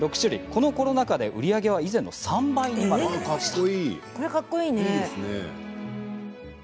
このコロナ禍で売り上げは以前の３倍にまで伸びました。